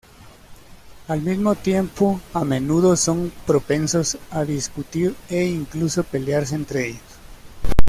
Al mismo tiempo, a menudo son propensos a discutir e incluso pelearse entre ellos.